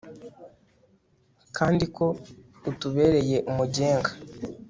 kandi ko utubereye umugenga